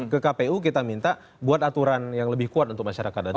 ke kpu kita minta buat aturan yang lebih kuat untuk masyarakat dan juga